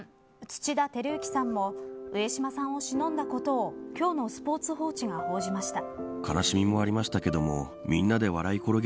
土田晃之さんも上島さんをしのんだことを今日のスポーツ報知が報じました。